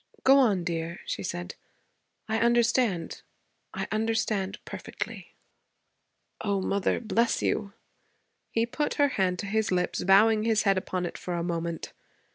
'Go on, dear,' she said. 'I understand; I understand perfectly.' 'O mother, bless you!' He put her hand to his lips, bowing his head upon it for a moment.